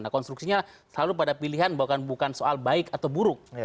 nah konstruksinya selalu pada pilihan bukan soal baik atau buruk